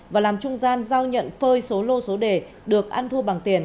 và làm trung gian giao nhận phơi số lô số đề được ăn thua bằng tiền